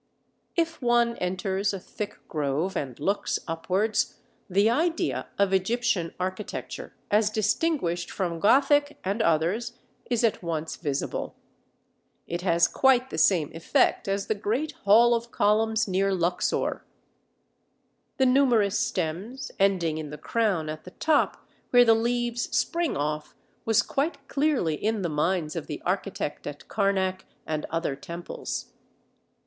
If one enters a thick grove and looks upwards, the idea of Egyptian architecture as distinguished from Gothic and others is at once visible. It has quite the same effect as the great hall of columns near Luxor. The numerous stems ending in the crown at the top where the leaves spring off was quite clearly in the minds of the architect at Karnak and other temples.